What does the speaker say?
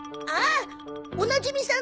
おなじみさんだよ。